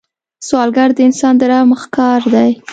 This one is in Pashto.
سوالګر د انسان د رحم ښکار دی